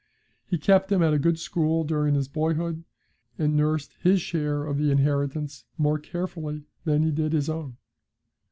He kept him at a good school during his boyhood, and nursed his share of the inheritance more carefully than he did his own.